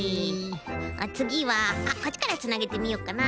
つぎはこっちからつなげてみよっかな。